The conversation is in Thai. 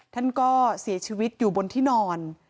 ท่านก็เสียชีวิตอยู่บนที่นอน